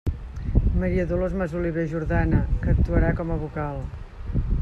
Maria Dolors Masoliver Jordana, que actuarà com a vocal.